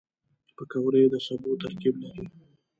پکورې د سبو ترکیب لري